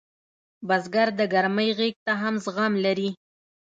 بزګر د ګرمۍ غېږ ته هم زغم لري